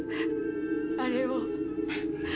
あれを。